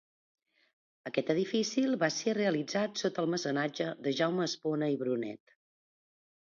Aquest edifici va ésser realitzat sota el mecenatge de Jaume Espona i Brunet.